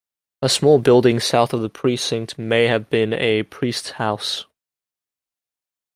A small building south of the Precinct may have been a priest's house.